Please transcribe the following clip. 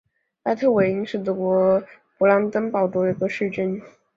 赖特韦因是德国勃兰登堡州的一个市镇。